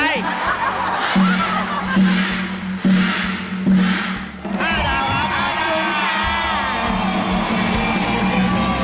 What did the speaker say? ขอบคุณค่ะ